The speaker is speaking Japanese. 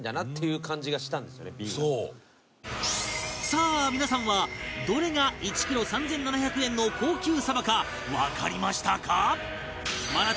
さあ皆さんはどれが１キロ３７００円の高級サバかわかりましたか？